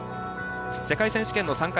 世界選手権の参加